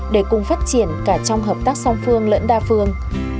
để cùng phát triển cả trong hợp tác song phương lẫn đa phương